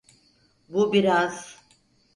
Bu biraz…